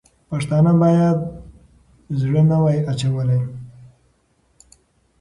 پښتانه باید زړه نه وای اچولی.